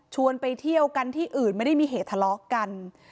ไปเที่ยวกันที่อื่นไม่ได้มีเหตุทะเลาะกัน